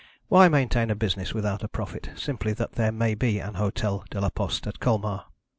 Why maintain a business without a profit, simply that there may be an Hotel de la Poste at Colmar?